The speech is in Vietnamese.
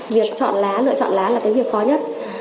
việc chọn lá lựa chọn lá là cái việc khó nhất